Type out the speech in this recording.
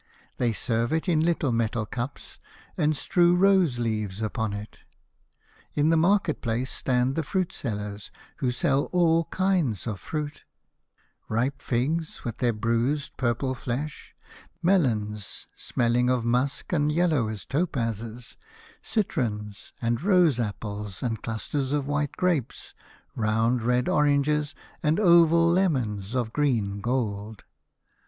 They serve it in little metal cups and strew rose leaves upon it. In the market place stand the fruitsellers, who sell all kinds of fruit : 99 A House of Pomegranates. ripe figs, with their bruised purple flesh, melons, smelling of musk and yellow as topazes, citrons and rose apples and clusters of white grapes, round red gold oranges, and oval lemons of green gold.